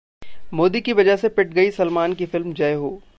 मोदी की वजह से पिट गई सलमान की फिल्म जय हो!